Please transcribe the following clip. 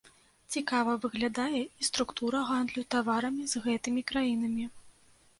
Цікава выглядае і структура гандлю таварамі з гэтымі краінамі.